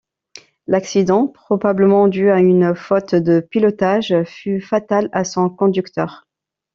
L'accident, probablement dû à une faute de pilotage, fut fatal à son conducteur.